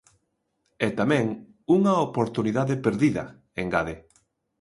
E tamén "unha oportunidade perdida", engade.